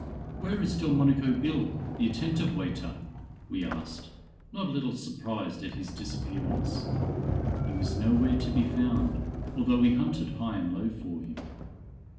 "Where is Delmonico Bill, the attentive waiter," we asked, not a little surprised at his disappearance. He was nowhere to be found, although we hunted high and low for him.